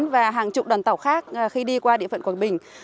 và hàng chục đoàn tàu khác khi đi qua địa phận quảng bình